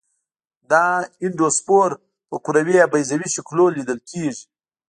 دا اندوسپور په کروي یا بیضوي شکلونو لیدل کیږي.